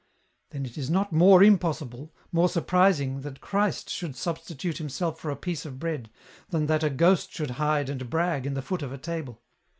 " Then it is not more impossible, more surprising that Christ should substitute Himself for a piece of bread, than that a ghost should hide and brag in the foot of a table.